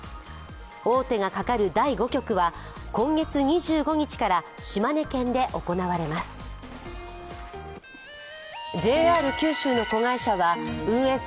王手がかかる第５局は今月２５日から島根県で行われます。